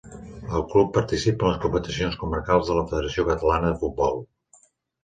El club participa en les competicions comarcals de la Federació Catalana de Futbol.